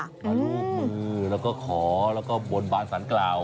มารูปมือแล้วก็ขอแล้วก็บนบานสารกล่าว